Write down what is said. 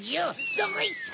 どこいった！